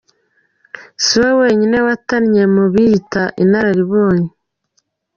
Si we wenyine watannye mu biyita inararibonye.